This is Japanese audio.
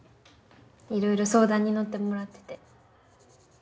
いろいろ相談に乗ってもらってて。